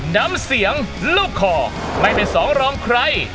น้ำเสียงลูกคอไม่เป็นสองรองใคร